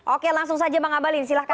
oke langsung saja bang abalin silahkan